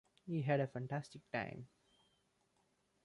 He had a fantastic time.